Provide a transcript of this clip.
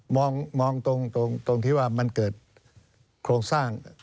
มองตรงที่ว่ามันเกิดโครงสร้าง